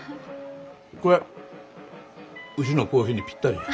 これうちのコーヒーにぴったりじゃ。